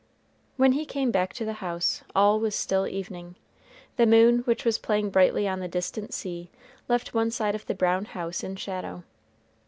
When he came back to the house, all was still evening. The moon, which was playing brightly on the distant sea, left one side of the brown house in shadow.